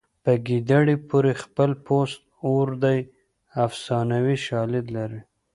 په ګیدړې پورې خپل پوست اور دی افسانوي شالید لري